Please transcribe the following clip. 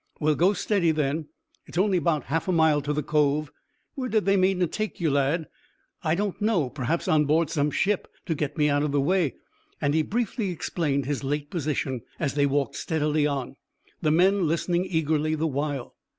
"Well, go steady, then. It's on'y 'bout half a mile to the cove. Where did they mean to take you, lad?" "I don't know. Perhaps on board some ship to get me out of the way;" and he briefly explained his late position, as they walked steadily on, the men listening eagerly the while.